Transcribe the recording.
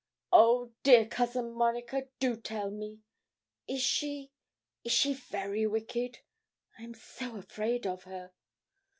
'Oh, dear Cousin Monica, do tell me is she is she very wicked? I am so afraid of her!'